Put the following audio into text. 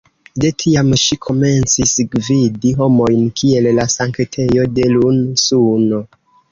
De tiam ŝi komencis gvidi homojn kiel la sanktejo de "Lun-Suno".